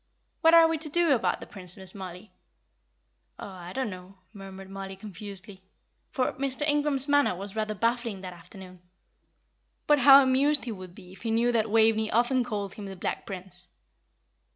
What are we to do about the Prince, Miss Mollie?" "Oh, I don't know," murmured Mollie, confusedly; for Mr. Ingram's manner was rather baffling that afternoon. But how amused he would be if he knew that Waveney often called him the Black Prince.